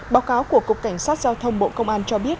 báo cáo của cục cảnh sát giao thông bộ công an cho biết